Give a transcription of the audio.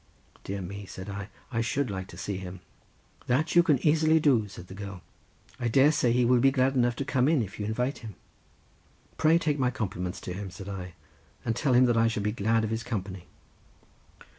"Dear me," said I, "I should like to see him." "That you can easily do," said the girl; "I dare say he will be glad enough to come in if you invite him." "Pray take my compliments to him," said I, "and tell him that I shall be glad of his company."